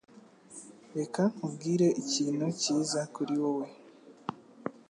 Reka nkubwire ikintu cyiza kuri wowe